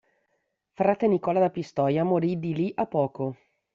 Frate Nicola da Pistoia morì di lì a poco.